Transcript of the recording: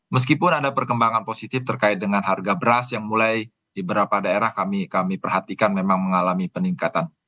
meskipun ada perkembangan positif terkait dengan harga beras yang mulai di beberapa daerah kami perhatikan memang mengalami peningkatan